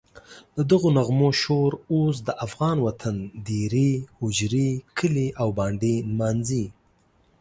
ددغو نغمو شور اوس هم د افغان وطن دېرې، هوجرې، کلي او بانډې نمانځي.